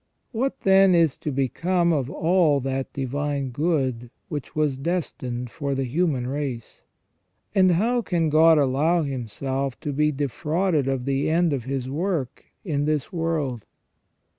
What, then, is to become of all that divine good which was destined for the human race ? And how can God allow Himself to be defrauded of the end of His work in this world